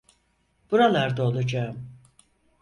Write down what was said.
Buralarda olacağım.